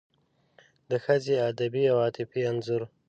د ښځې ادبي او عاطفي انځور